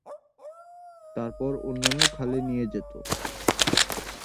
তারপর অন্যান্য খালে নিয়ে যেত।